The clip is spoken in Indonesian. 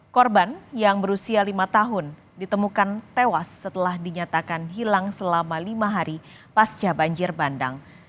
korban yang berusia lima tahun ditemukan tewas setelah dinyatakan hilang selama lima hari pasca banjir bandang